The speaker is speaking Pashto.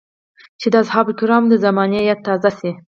چې د اصحابو کرامو د زمانې ياد تازه شي.